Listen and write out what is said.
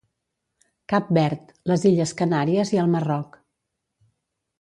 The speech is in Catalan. Cap Verd, les illes Canàries i el Marroc.